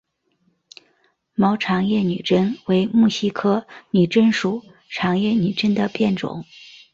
毛长叶女贞为木犀科女贞属长叶女贞的变种。